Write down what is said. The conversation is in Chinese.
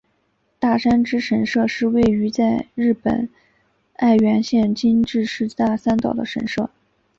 大山只神社是位在日本爱媛县今治市大三岛的神社。